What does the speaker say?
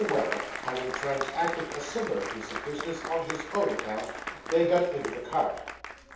Weller having transacted a similar piece of business on his own account, they got into the cart.